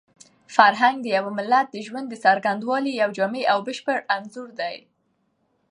فرهنګ د یو ملت د ژوند د څرنګوالي یو جامع او بشپړ انځور دی.